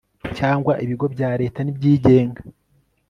cyangwa ibigo bya leta n ibyigenga